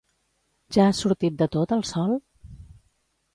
Ja ha sortit de tot el sol?